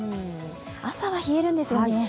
朝は冷えるんですよね。